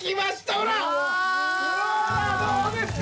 ほらどうですか？